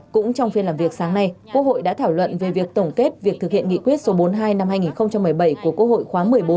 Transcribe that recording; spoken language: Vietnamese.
cũng trong phiên làm việc sáng nay quốc hội đã thảo luận về việc tổng kết việc thực hiện nghị quyết số bốn mươi hai năm hai nghìn một mươi bảy của quốc hội khóa một mươi bốn